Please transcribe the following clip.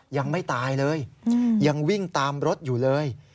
ยังไม่ตายเลยยังวิ่งตามรถอยู่เลย